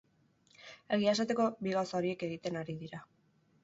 Egia esateko, bi gauza horiek egiten ari dira.